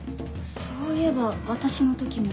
そういえば私の時も。